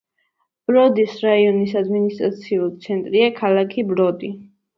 ბროდის რაიონის ადმინისტრაციული ცენტრია ქალაქი ბროდი.